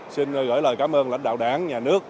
xin gửi lời cảm ơn lãnh đạo đảng nhà nước